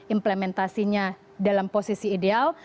implementasinya dalam posisi ideal